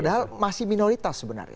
padahal masih minoritas sebenarnya